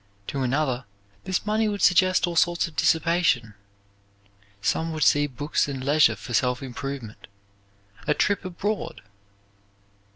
To another this money would suggest all sorts of dissipation. Some would see books and leisure for self improvement, a trip abroad.